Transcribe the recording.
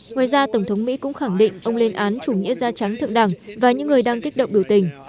ngoài ra tổng thống mỹ cũng khẳng định ông lên án chủ nghĩa da trắng thượng đẳng và những người đang kích động biểu tình